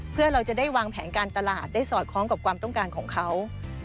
เพื่อเราจะได้วางแผนการตลาดได้สอดคล้องกับความต้องการของเขา